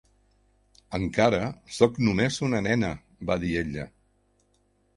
"Encara sóc només una nena", va dir ella.